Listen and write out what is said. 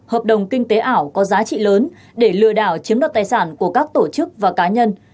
hợp đồng kinh tế ảo có giá trị lớn để lừa đảo chiếm đoạt tài sản của các tổ chức và cá nhân